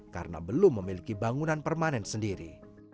karena belum memiliki bangunan permanen sendiri